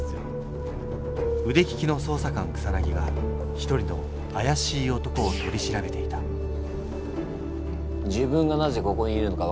うでききの捜査官草が一人のあやしい男を取り調べていた自分がなぜここにいるのか分かっているな？